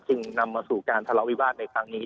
จึงนำมาสู่การทะเลาวิวาสในครั้งนี้